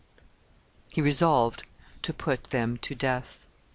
] He resolved to put them to death.